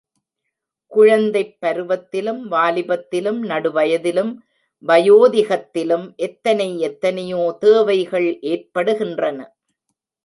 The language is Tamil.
குழந்தைப் பருவத்திலும், வாலிபத்திலும், நடுவயதிலும், வயோதிகத்திலும் எத்தனை எத்தனையோ தேவைகள் ஏற்படுகின்றன.